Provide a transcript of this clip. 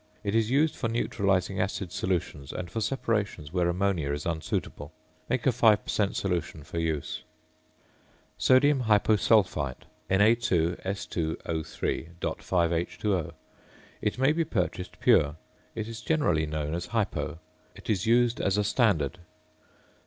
It is used for neutralizing acid solutions and for separations where ammonia is unsuitable. Make a 5 per cent. solution for use. ~Sodium Hyposulphite~, Na_S_O_.5H_O. It may be purchased pure. It is generally known as "hypo." It is used as a standard.